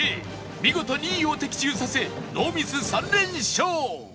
見事２位を的中させノーミス３連勝！